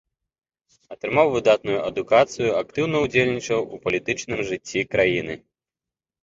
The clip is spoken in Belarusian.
Атрымаў выдатную адукацыю, актыўна ўдзельнічаў у палітычным жыцці краіны.